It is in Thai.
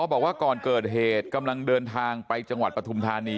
บอกว่าก่อนเกิดเหตุกำลังเดินทางไปจังหวัดปฐุมธานี